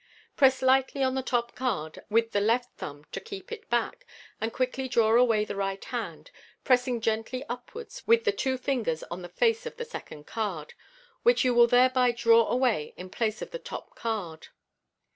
Press lightly on the top card with the left thumb to keep it back, and quickly draw away the right hand, pressing gtntly upwards with the two fingers on the face of the second card, which you will thereby draw away in place of the top card.